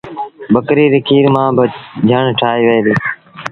ٻڪريٚ ري کير مآݩ با جھڻ ٺآهيٚ وهي ديٚ۔